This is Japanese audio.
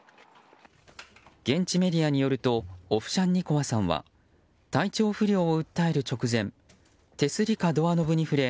現地メディアによるとオフシャンニコワさんは体調不良を訴える直前手すりかドアノブに触れ